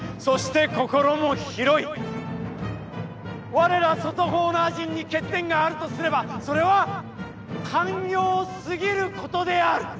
われら外ホーナー人に欠点があるとすれば、それは寛容すぎることである！